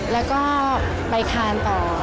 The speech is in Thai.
แล้วก็ไปทานต่อ